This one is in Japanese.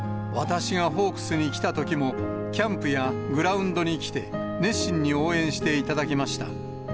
私がホークスに来たときも、キャンプやグラウンドに来て、熱心に応援していただきました。